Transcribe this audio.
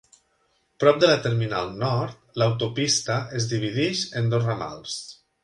Prop de la terminal nord, l"autopista es divideix en dos ramals.